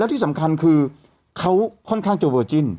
ที่สำคัญคือเขาค่อนข้างจะเวอร์จิ้น